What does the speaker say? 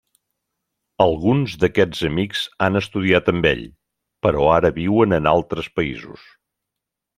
Alguns d'aquests amics han estudiat amb ell, però ara viuen en altres països.